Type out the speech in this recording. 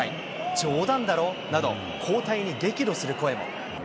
冗談だろ？など、交代に激怒する声も。